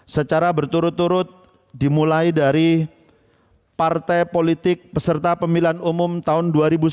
secara berturut turut dimulai dari partai politik peserta pemilihan umum tahun dua ribu sembilan belas